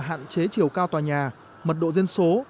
hạn chế chiều cao tòa nhà mật độ dân số